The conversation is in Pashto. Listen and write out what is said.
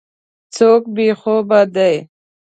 څوک بې خوبه دی.